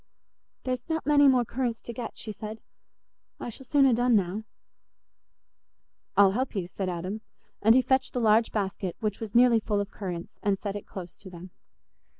"There's not many more currants to get," she said; "I shall soon ha' done now." "I'll help you," said Adam; and he fetched the large basket, which was nearly full of currants, and set it close to them.